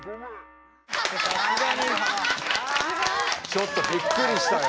・ちょっとびっくりしたよ。